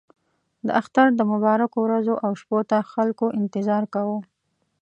د اختر د مبارکو ورځو او شپو ته خلکو انتظار کاوه.